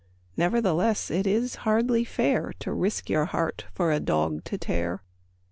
Nevertheless it is hardly fair To risk your heart for a dog to tear.